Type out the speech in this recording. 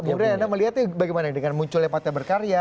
bung rey anda melihatnya bagaimana dengan munculnya pak teber karya